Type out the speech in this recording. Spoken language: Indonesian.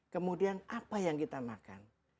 kemudian apa yang kita makan